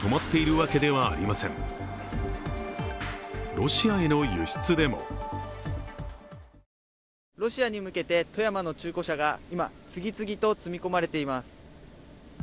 ロシアへの輸出でもロシアに向けて富山の中古車が今、次々と積み込まれています。